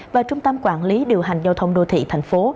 và trung tâm quản lý điều hành giao thông đô thị thành phố